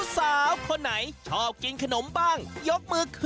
สาวคนไหนชอบกินขนมบ้างยกมือขอ